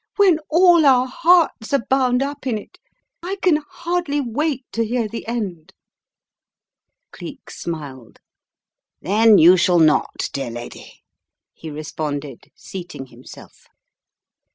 "When all our hearts are bound up in it? I can hardly wait to hear the end." Cleek smiled. «CI "A Tale Unfolded" 297 Then you shall not, dear lady/' he responded, seating himself.